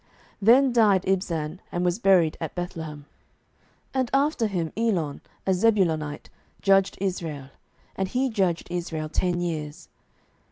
07:012:010 Then died Ibzan, and was buried at Bethlehem. 07:012:011 And after him Elon, a Zebulonite, judged Israel; and he judged Israel ten years.